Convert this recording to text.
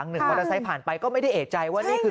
หนึ่งมอเตอร์ไซค์ผ่านไปก็ไม่ได้เอกใจว่านี่คือ